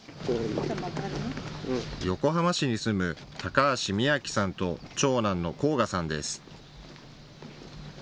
横浜市に住む高橋美暁さんと長男の昊楽さんです。